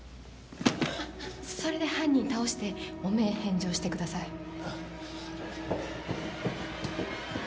それで犯人倒して汚名返上してください。